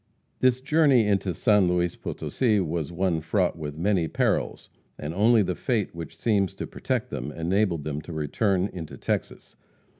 This journey into San Luis Potosi, was one fraught with many perils, and only the fate which seems to protect them, enabled them to return into Texas.